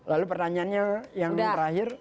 lalu pertanyaannya yang terakhir